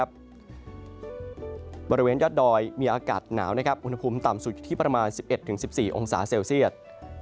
บริเวณยอดดอยมีอากาศหนาวอุณหภูมิต่ำสุดอยู่ที่ประมาณ๑๑๑๔องศาเซลเซียต